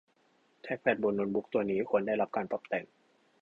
แทรคแพดบนโน้ตบุ๊คตัวนี้ควรได้รับการปรับแต่ง